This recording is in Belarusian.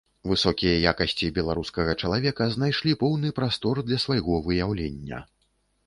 Высокія якасці беларускага чалавека знайшлі поўны прастор для свайго выяўлення.